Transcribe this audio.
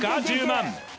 １０万